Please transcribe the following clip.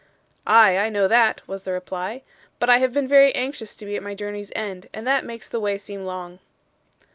'Ay, I know that,' was the reply; 'but I have been very anxious to be at my journey's end, and that makes the way seem long.